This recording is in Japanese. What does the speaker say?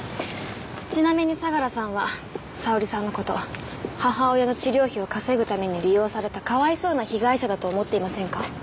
ちなみに相良さんは沙織さんの事母親の治療費を稼ぐために利用されたかわいそうな被害者だと思っていませんか？